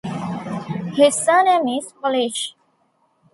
His surname is Polish.